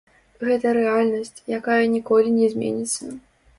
Гэта рэальнасць, якая ніколі не зменіцца.